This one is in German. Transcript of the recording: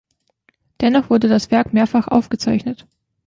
Dennoch wurde das Werk mehrfach aufgezeichnet.